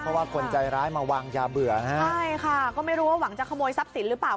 เพราะว่าคนใจร้ายมาวางยาเบื่อนะฮะใช่ค่ะก็ไม่รู้ว่าหวังจะขโมยทรัพย์สินหรือเปล่า